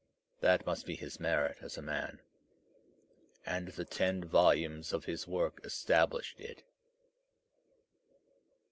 That must be his merit as a man, and the ten volumes of his work established it.